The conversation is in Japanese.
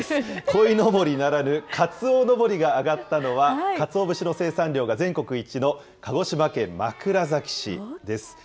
こいのぼりならぬかつおのぼりが揚がったのは、かつお節の生産量が全国１位の鹿児島県枕崎市です。